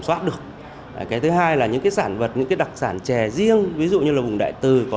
soát được cái thứ hai là những cái sản vật những cái đặc sản chè riêng ví dụ như là vùng đại từ có